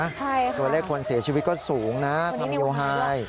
ใช่ค่ะตัวเลขควรเสียชีวิตก็สูงนะทางโยฮาย